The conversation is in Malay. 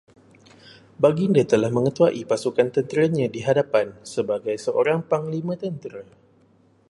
Baginda telah mengetuai pasukan tenteranya di hadapan, sebagai seorang panglima tentera